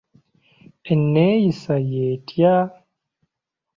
Enneeyisa y'etya?